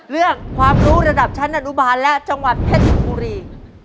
เรื่องความรู้ระดับชั้นอนุบาลและจังหวัดเพชรบุรี